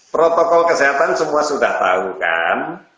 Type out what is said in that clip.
protokol kesehatan semua sudah tahu kan